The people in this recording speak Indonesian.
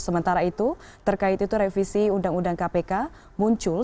sementara itu terkait itu revisi undang undang kpk muncul